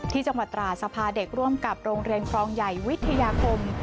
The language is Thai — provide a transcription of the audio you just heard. ตราสภาเด็กร่วมกับโรงเรียนครองใหญ่วิทยาคม